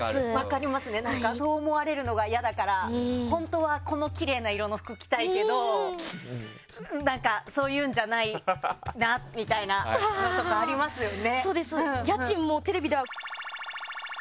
何か、そう思われるのが嫌だから本当は、このきれいな色の服着たいけど何かそういうんじゃないんだみたいなありますよね。